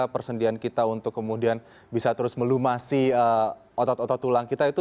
persendian kita untuk kemudian bisa terus melumasi otot otot tulang kita itu